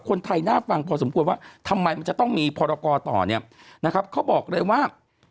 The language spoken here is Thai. คนไทยน่าฟังพอสมควรว่าทำไมมันจะต้องมีพรกรต่อเนี่ยนะครับเขาบอกเลยว่า